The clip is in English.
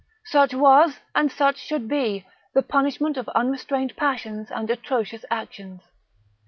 Such was, and such should be, the punishment of unrestrained passions and atrocious actions!